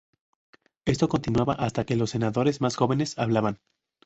Esto continuaba hasta que los senadores más jóvenes hablaban.